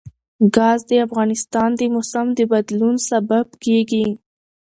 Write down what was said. ګاز د افغانستان د موسم د بدلون سبب کېږي.